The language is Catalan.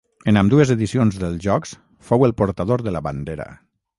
En ambdues edicions dels Jocs fou el portador de la bandera.